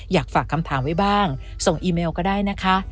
อยากฝากคำถามไว้บ้างส่งอีเมลก็ได้นะคะ